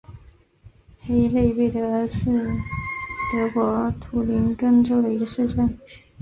黑内贝格是德国图林根州的一个市镇。